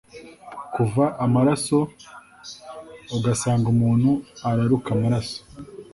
Kuva amaraso ugasanga umuntu araruka amaraso